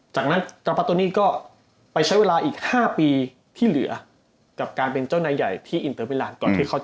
จากนั้นตราปัตโตนนี่ก็ไปใช้เวลาอีก๕ปีที่เหลือกับการเป็นเจ้านายใหญ่ที่อินเตอร์เวลา